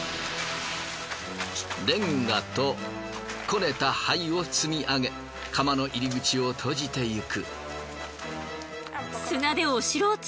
レンガとこねた灰を積み上げ窯の入り口を閉じていく。